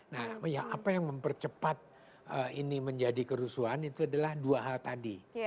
nah apa yang mempercepat ini menjadi kerusuhan itu adalah dua hal tadi